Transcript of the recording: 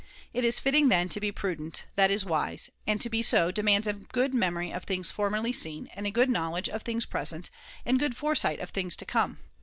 It is fitting, then, I. to be prudent, that is wise ; and to be so demands a good memory of things formerly seen, and good knowledge of things present, and good foresight of things to come.